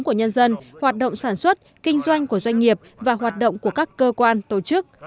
của nhân dân hoạt động sản xuất kinh doanh của doanh nghiệp và hoạt động của các cơ quan tổ chức